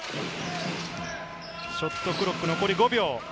ショットクロック残り５秒。